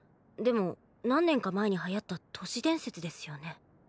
でも何年か前に流行った都市伝説ですよね。